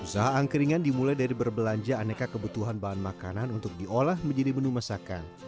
usaha angkringan dimulai dari berbelanja aneka kebutuhan bahan makanan untuk diolah menjadi menu masakan